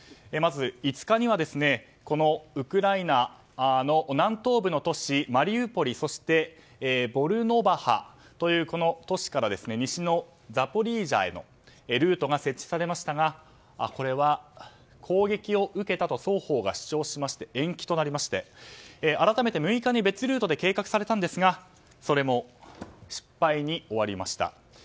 まず、５日にはウクライナの南東部の都市マリウポリ、そしてボルノバハという都市から西のザポリージャへのルートが設置されましたがこれは攻撃を受けたと双方が主張しまして延期となりまして、改めて６日に別ルートで計画されたんですがそれも失敗に終わりました。